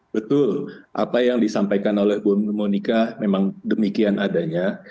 betul apa yang disampaikan oleh bonika memang demikian adanya